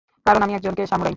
কারণ আমি একজন সামুরাই।